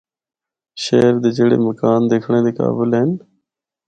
شہر دے جڑے مکان دکھنڑا دے قابل ہن۔